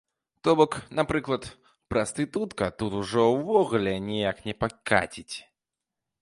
То бок, напрыклад, прастытутка тут ужо ўвогуле ніяк не пакаціць.